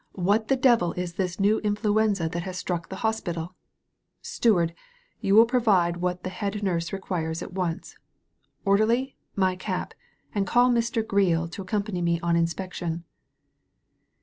"What the devil is this new influenza that has struck the hospital? Steward, you will provide what the head nurse requires at once. Orderly, my cap, and call Mr* Greel to accompany me on inspection."